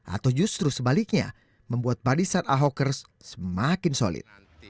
atau justru sebaliknya membuat barisan ahokers semakin solid